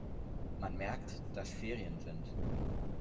Man merkt, dass Ferien sind.